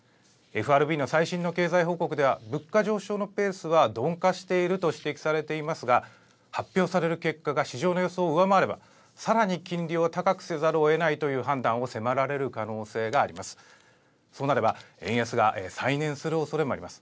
ＦＲＢの最新の経済報告では物価上昇のペースは鈍化していると指摘されていますが発表される結果が市場の予想を上回ればさらに金利を高くせざるをえないという判断を迫られる可能性があります。